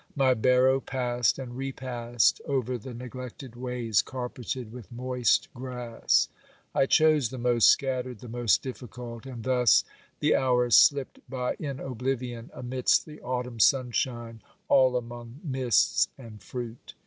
My barrow passed and repassed over the neglected ways carpeted with moist grass. I chose the most scattered, the most difificult, and thus the hours slipped by in oblivion, amidst the autumn sunshine, all among mists and fruit.